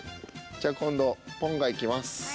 じゃあ今度ぽんがいきます。